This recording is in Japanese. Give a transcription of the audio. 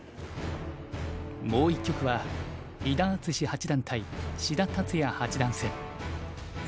もう１局は伊田篤史八段対志田達哉八段戦。